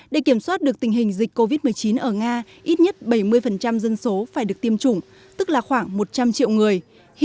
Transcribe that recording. để kiểm soát được tình hình dịch covid một mươi chín ở nga ít nhất bảy mươi dân số phải được tiêm chủng tức là khoảng một trăm linh triệu người